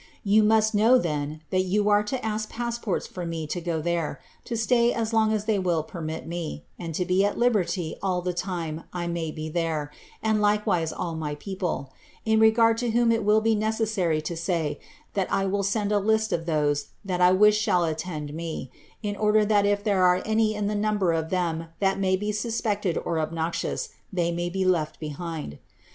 '* You muet know, then, that you are to ask passports for me to go there, lo stay ns long ns they will permit me, and to be at liberty all the lime I maybe there, and likewise all my people; in regard to whom it will be necessary le nay, that I will send a list of those that I wish shall attend me, in order that if there are any in the number of them that may be suspected or obnoxious, tbef may be left behind.